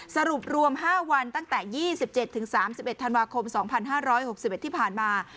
สรุปรวม๕วันตั้งแต่๒๗๓๑ธันวาคม๒๕๖๑ที่ผ่านมา